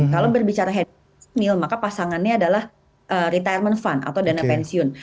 kalau berbicara hedonic treadmill maka pasangannya adalah retirement fund atau dana pensiun